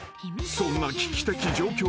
［そんな危機的状況の中］